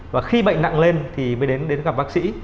và khi bệnh nặng lên thì mới đến gặp bác sĩ